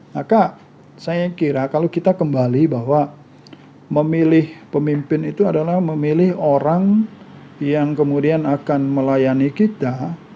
maka saya kira kalau kita kembali bahwa memilih pemimpin itu adalah memilih orang yang kemudian akan melayani kita